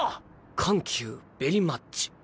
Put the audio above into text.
緩急ベリマッチ。